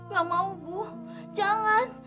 enggak mau bu jangan